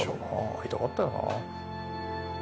会いたかったよな。